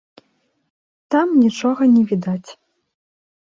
Там нічога не відаць.